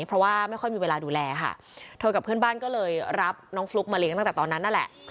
เพราะว่าไม่ค่อยมีเวลาดูแลค่ะเธอกับเพื่อนบ้านก็เลยรับน้องฟลุ๊กมาเลี้ยตั้งแต่ตอนนั้นนั่นแหละ